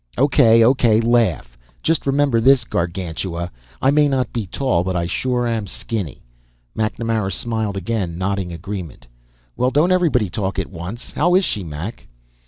"O.K., O.K. Laugh. Just remember this, Gargantua; I may not be tall, but I sure am skinny." MacNamara smiled again, nodding agreement. "Well, don't everybody talk at once. How is she, Mac?"